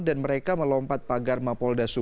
dan mereka melompat pagar mabes polri